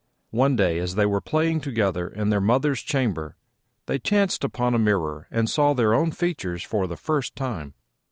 One day, as they were playing together in their mother's chamber, they chanced upon a mirror and saw their own features for the first time.